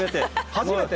初めて。